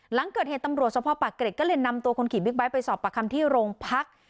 หลังเกิดเหตุตำรวจสภาพปากเกร็ดก็เลยนำตัวคนขี่บิ๊กไบท์ไปสอบปากคำที่โรงพัก